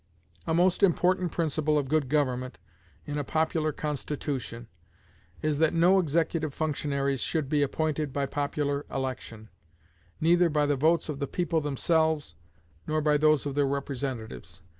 A most important principle of good government in a popular constitution is that no executive functionaries should be appointed by popular election, neither by the votes of the people themselves, nor by those of their representatives.